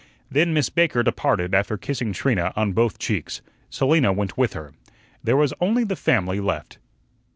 Then Miss Baker departed after kissing Trina on both cheeks. Selina went with her. There was only the family left.